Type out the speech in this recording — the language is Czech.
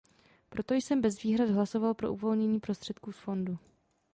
Proto jsem bez výhrad hlasoval pro uvolnění prostředků z fondu.